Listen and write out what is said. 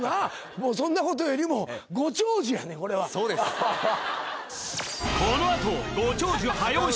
もうそんなことよりも「ご長寿」やねんこれはそうですこのあとご長寿早押し